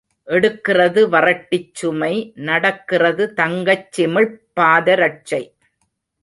எடுக்கிறது வறட்டிச் சுமை நடக்கிறது தங்கச் சிமிழ்ப் பாதரட்சை.